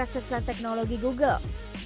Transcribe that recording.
harvey dey awakening bagian orang depan terbayang